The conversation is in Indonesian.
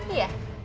iya keren kan